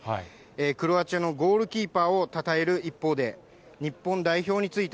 クロアチアのゴールキーパーをたたえる一方で、日本代表について